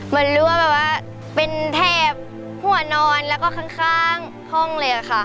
มันรั่วแบบว่าเป็นแถบหัวนอนแล้วก็ข้างห้องเลยค่ะ